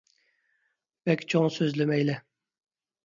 بەك چوڭ سۆزلىمەيلى ،